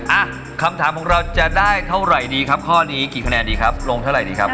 อ่ะคำถามของเราจะได้เท่าไหร่ดีครับข้อนี้กี่คะแนนดีครับลงเท่าไหร่ดีครับ